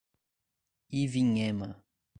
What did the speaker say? Ivinhema